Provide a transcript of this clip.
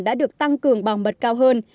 đã được tăng cường bằng mật cao hơn